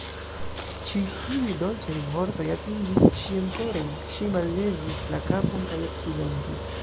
Ĉi tiuj dolĉaj vortoj atingis ŝian koron; ŝi mallevis la kapon kaj eksilentis.